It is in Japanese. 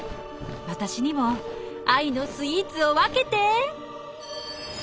私にも愛のスイーツを分けて！